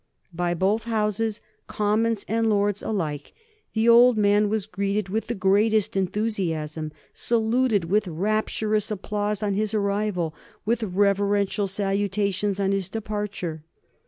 By both Houses, Commons and Lords alike, the old man was greeted with the greatest enthusiasm, saluted with rapturous applause on his arrival, with reverential salutations on his departure.